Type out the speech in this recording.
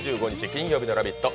金曜日の「ラヴィット！」。